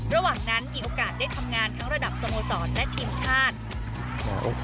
ระหว่างนั้นมีโอกาสได้ทำงานทั้งระดับสโมสรและทีมชาติ